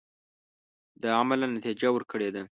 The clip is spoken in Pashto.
دا عملاً نتیجه ورکړې ده.